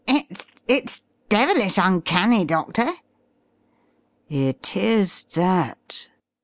"It's it's devilish uncanny, Doctor!" "It is that."